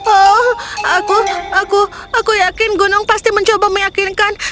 oh aku aku yakin gunung pasti mencoba meyakinkan